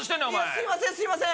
すいませんすいません